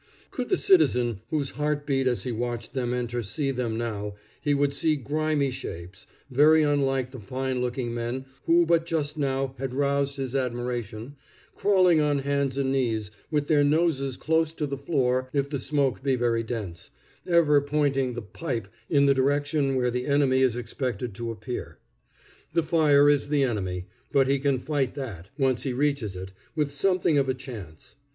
Could the citizen whose heart beat as he watched them enter see them now, he would see grimy shapes, very unlike the fine looking men who but just now had roused his admiration, crawling on hands and knees, with their noses close to the floor if the smoke be very dense, ever pointing the "pipe" in the direction where the enemy is expected to appear. The fire is the enemy; but he can fight that, once he reaches it, with something of a chance.